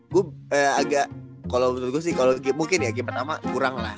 gue agak kalo menurut gue sih mungkin ya game pertama kurang lah